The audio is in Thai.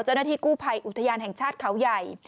เจ้าหน้าที่กู้ภัยอุทยานแห่งชาติเขาใหญ่